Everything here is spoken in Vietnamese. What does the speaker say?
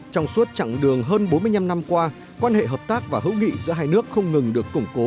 trong suốt chặng đường hơn bốn mươi năm năm qua quan hệ hợp tác và hữu nghị giữa hai nước không ngừng được củng cố